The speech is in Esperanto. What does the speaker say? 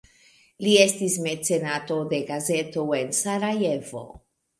Li estis mecenato de gazeto en Sarajevo.